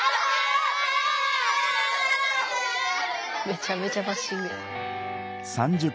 めちゃめちゃバッシング。